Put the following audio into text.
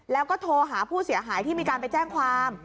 แล้วก็โทรหาผู้เสียหายที่มีการไปแจ้งความ